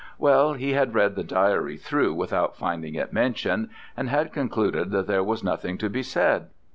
Well, he had read the diary through without finding it mentioned, and had concluded that there was nothing to be said.